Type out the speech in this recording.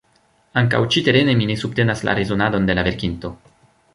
Ankaŭ ĉi-terene mi ne subtenas la rezonadon de la verkinto.